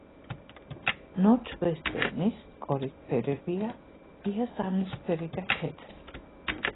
ნორზვესტერნის სკოლის ფერებია იასამნისფერი და თეთრი.